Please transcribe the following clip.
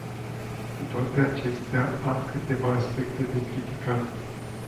Cu toate acestea, am câteva aspecte de criticat.